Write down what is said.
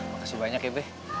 makasih banyak ya be